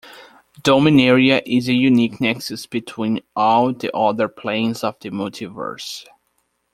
Dominaria is a unique nexus between all the other planes of the Multiverse.